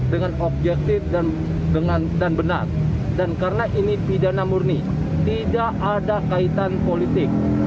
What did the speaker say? dengan objektif dan benar dan karena ini pidana murni tidak ada kaitan politik